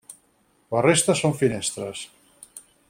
La resta són finestres.